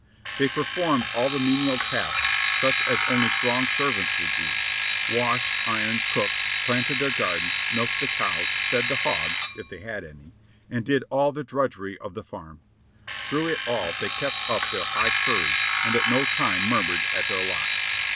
They per formed all the menial tasks such as only strong servants would do; washed, ironed, cooked, planted their gardens, milked the "the DEBATABI.E LANd" 645 COWS, feci the hogs (if they had any) and did all the drudgery of the farm. Through it all they kept up their high courage and at no time murmured at their lot.